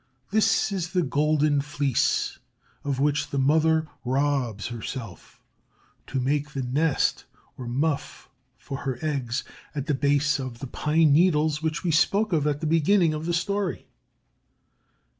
This is the golden fleece of which the mother robs herself to make the nest or muff for her eggs at the base of the pine needles which we spoke of at the beginning of the story.